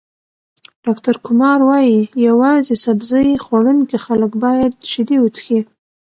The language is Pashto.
ډاکټر کمار وايي، یوازې سبزۍ خوړونکي خلک باید شیدې وڅښي.